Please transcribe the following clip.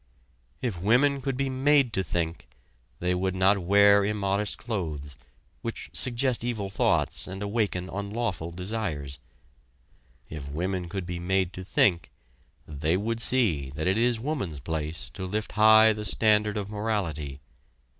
If women could be made to think, they would not wear immodest clothes, which suggest evil thoughts and awaken unlawful desires. If women could be made to think, they would see that it is woman's place to lift high the standard of morality.